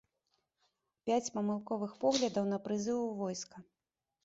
Пяць памылковых поглядаў на прызыў у войска.